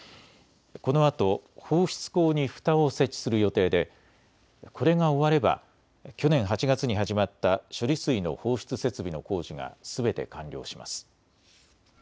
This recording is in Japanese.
このあと放出口にふたを設置する予定でこれが終われば去年８月に始まった処理水の放出設備の工事がすべて完了します。